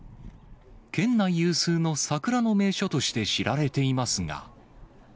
県内有数の桜の名所として知られていますが。